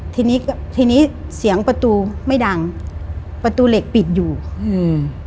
ทีนี้ทีนี้เสียงประตูไม่ดังประตูเหล็กปิดอยู่อืม